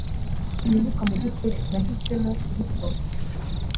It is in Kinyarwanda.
Sinibuka mubyukuri nahisemo kubikora.